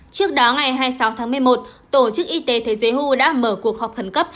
trước đó ngày hai mươi sáu tháng một mươi một tổ chức y tế thế giới đã mở cuộc họp khẩn cấp